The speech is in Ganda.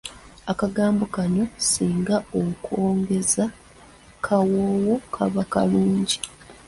Akagambo kano singa okoogeza kawoowo kaba kalungi.